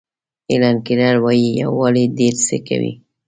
هیلن کیلر وایي یووالی ډېر څه کوي.